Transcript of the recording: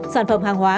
sản phẩm hàng hóa